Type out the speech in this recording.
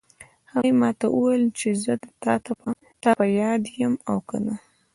هغې ما ته وویل چې زه د تا په یاد یم او که نه